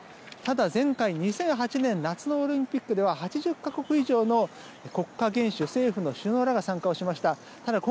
ただ、前回２００８年夏のオリンピックでは８０か国以上の国家元首政府の首脳らが参加しました。